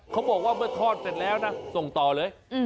เขาบอกว่าเมื่อทอดเสร็จแล้วนะส่งต่อเลย